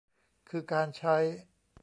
คือการใช้